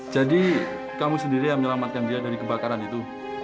jadi kamu sendiri yang menyelamatkan dia dari kebakaran itu